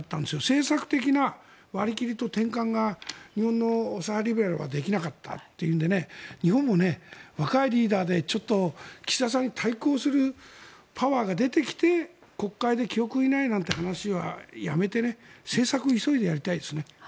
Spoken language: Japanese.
政策的な割り切りと転換が日本の左派リベラルはできなかったというので日本も若いリーダーで岸田さんに対抗するパワーが出てきて国会で記憶にないなんて話はやめて政策を急いでやりたいですね。